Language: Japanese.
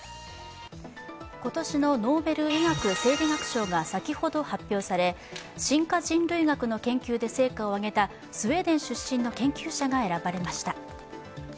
今年のノーベル医学生理学賞が先ほど発表され進化人類学の研究で成果をあげたスウェーデン出身の研究者が選ばれました。